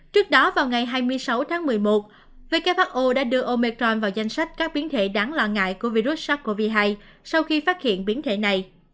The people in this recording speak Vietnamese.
trước đó vào ngày hai mươi sáu tháng một mươi một who đã đưa omecron vào danh sách các biến thể đáng lo ngại của virus sars cov hai sau khi phát hiện biến thể này